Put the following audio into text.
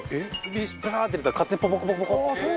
水バーって入れたら勝手にポコポコポコって。